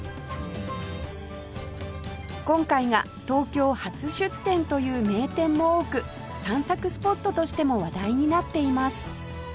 今回が東京初出店という名店も多く散策スポットとしても話題になっています